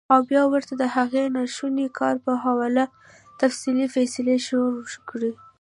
او بيا ورته د هغې ناشوني کار پۀ حواله تفصيلي قيصې شورو کړي -